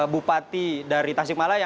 bupati dari tasikmalaya